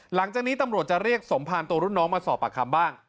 หลังจากนี้ตำรวจจะเรียกสมภารตัวรุ่นน้องมาสอบปากคำบ้าง